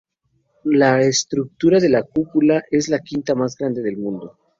La estructura de la cúpula es la quinta más grande del mundo.